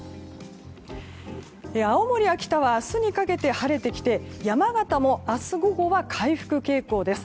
青森、秋田は明日にかけて晴れてきて山形も明日午後は回復傾向です。